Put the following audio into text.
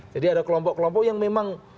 jadi ada kelompok kelompok yang memang